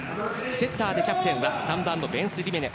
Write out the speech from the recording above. セッターでキャプテンは３番、ベンスリメネ。